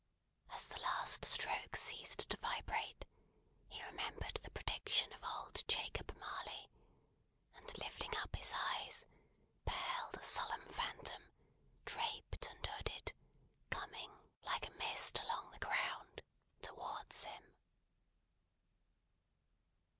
As the last stroke ceased to vibrate, he remembered the prediction of old Jacob Marley, and lifting up his eyes, beheld a solemn Phantom, draped and hooded, coming, like a mist along the ground, towards him.